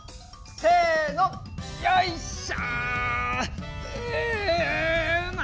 せのよいっしょ！